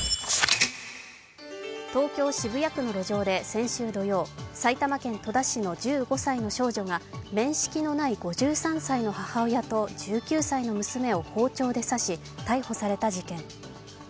東京・渋谷区の路上で先週土曜、埼玉県戸田市の１５歳の少女が面識のない５３歳の母親と１９歳の娘を包丁で刺し、逮捕された事件。